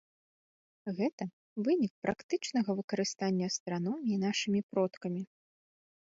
Гэта вынік практычнага выкарыстання астраноміі нашымі продкамі.